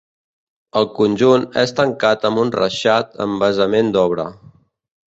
El conjunt és tancat amb un reixat amb basament d'obra.